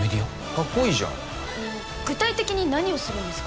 かっこいいじゃん具体的に何をするんですか？